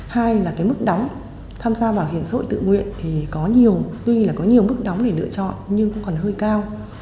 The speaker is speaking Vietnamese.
hai là cái mức đóng tham gia bảo hiểm xã hội tự nguyện thì có nhiều tuy là có nhiều mức đóng để lựa chọn nhưng cũng còn hơi cao